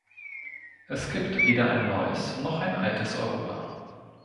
Es gibt weder ein neues noch ein altes Europa.